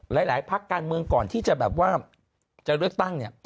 หลายพักการเมืองก่อนที่จะแบบว่าจะเลือกตั้งเนี่ย